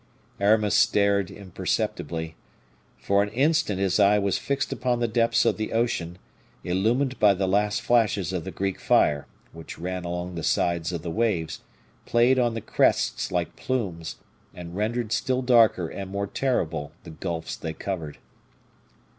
Aramis stared imperceptibly. For an instant his eye was fixed upon the depths of the ocean, illumined by the last flashes of the Greek fire, which ran along the sides of the waves, played on the crests like plumes, and rendered still darker and more terrible the gulfs they covered.